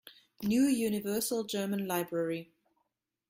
New Universal German Library.